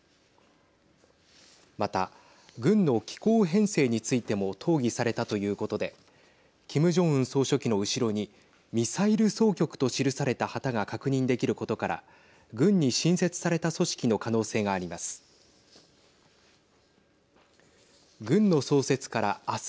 また軍の機構編成についても討議されたということでキム・ジョンウン総書記の後ろにミサイル総局と記された旗が確認できることから軍に新設された組織の可能性があります。